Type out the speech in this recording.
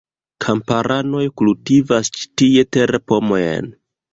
Kamparanoj kultivas ĉi tie terpomojn.